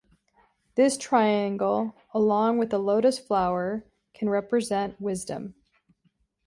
This triangle, along with the lotus flower, can represent wisdom.